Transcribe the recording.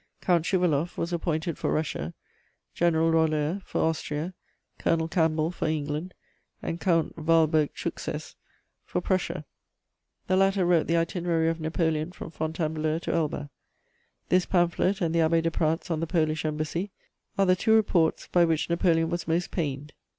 Count Schouvaloff was appointed for Russia, General Roller for Austria, Colonel Campbell for England, and Count Waldburg Truchsess for Prussia: the latter wrote the Itinerary of Napoleon from Fontainebleau to Elba. This pamphlet and the Abbé de Pradt's on the Polish Embassy are the two reports by which Napoleon was most pained.